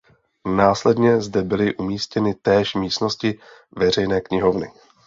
Následně zde byly umístěny též místnosti veřejné knihovny.